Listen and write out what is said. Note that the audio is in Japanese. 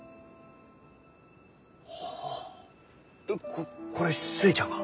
ここれ寿恵ちゃんが？